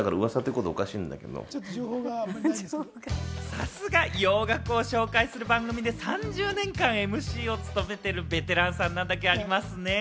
さすが洋楽を紹介する番組で、３０年間、ＭＣを務めてるベテランさんなだけありますね。